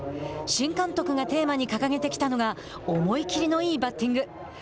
新監督がテーマに掲げてきたのが思い切りのいいバッティング。